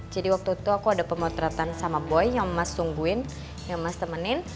jadi waktu itu aku ada pemotretan sama boy yang mas sungguhin yang mas temenin